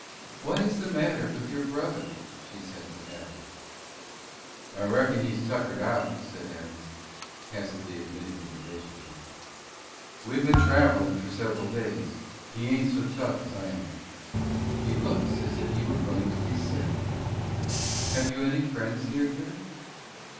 "What is the matter with your brother?" she said to Abner. "I reckon he's tuckered out," said Abner, tacitly admitting the relationship. "We've been travelin' for several days. He ain't so tough as I am." "He looks as if he were going to be sick. Have you any friends near here?"